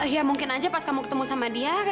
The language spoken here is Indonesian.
ya mungkin aja pas kamu ketemu sama dia